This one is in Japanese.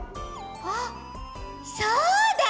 あっそうだ。